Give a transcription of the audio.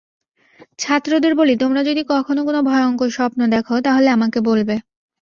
ছাত্রদের বলি, তোমরা যদি কখনো কোনো ভয়ংকর স্বপ্ন দেখ, তাহলে আমাকে বলবে।